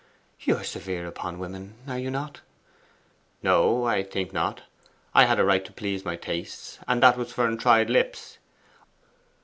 'You are severe on women, are you not?' 'No, I think not. I had a right to please my taste, and that was for untried lips.